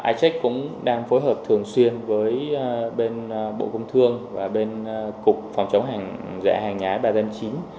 icheck cũng đang phối hợp thường xuyên với bên bộ công thương và bên cục phòng chống giả hàng nhái ba chín